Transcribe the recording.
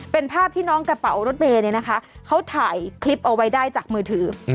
เป็นภาพที่น้องกระเป๋ารถเมย์เนี่ยนะคะเขาถ่ายคลิปเอาไว้ได้จากมือถือ